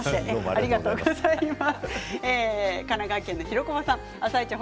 ありがとうございます。